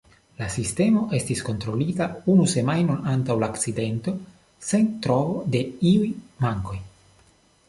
La sistemo estis kontrolita unu semajnon antaŭ la akcidento, sen trovo de iuj mankoj.